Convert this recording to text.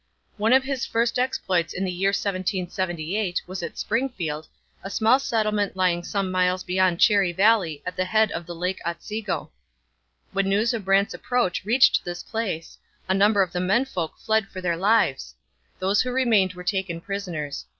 One of his first exploits of the year 1778 was at Springfield, a small settlement lying some miles beyond Cherry Valley at the head of Lake Otsego. When news of Brant's approach reached this place, a number of the men folk fled for their lives. Those who remained were taken prisoners.